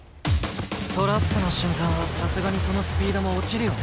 トラップの瞬間はさすがにそのスピードも落ちるよね。